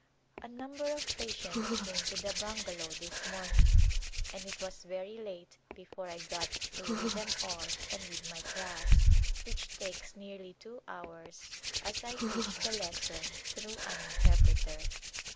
A number of patients came to the bungalow this morning, and it was very late before I got through with them all and with my class, which takes nearly two hours as I teach the lesson through an interpreter.